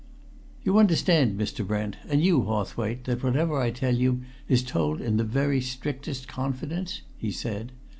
"You understand, Mr. Brent, and you, Hawthwaite, that whatever I tell you is told in the very strictest confidence?" he said.